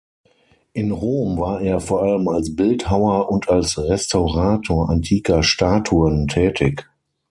In Rom war er vor allem als Bildhauer und als Restaurator antiker Statuen tätig.